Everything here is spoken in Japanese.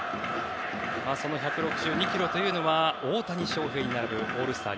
その１６２キロというのは大谷翔平に並ぶオールスター